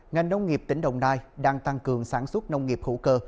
ngành nông nghiệp tỉnh đồng nai đang tăng cường sản xuất nông nghiệp hữu cơ